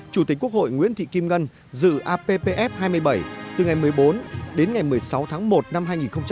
chủ tịch quốc hội nguyễn thị kim ngân dự appf hai mươi bảy từ ngày một mươi bốn đến ngày một mươi sáu tháng một năm hai nghìn hai mươi